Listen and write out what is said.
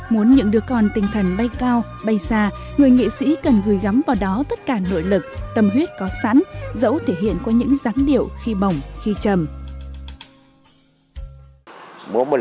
muốn nhận được con tinh thần bay cao bay xa người nghệ sĩ cần gửi gắm vào đó tất cả nội lực tâm huyết có sẵn dẫu thể hiện qua những giáng điệu khi bỏng khi trầm